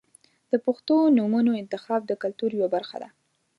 • د پښتو نومونو انتخاب د کلتور یوه برخه ده.